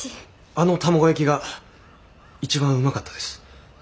あの卵焼きが一番うまかったです。